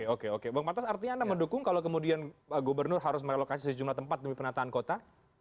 oke oke bang pantas artinya anda mendukung kalau kemudian gubernur harus merelokasi sejumlah tempat demi penataan kota